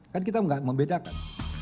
kan kita nggak membedakan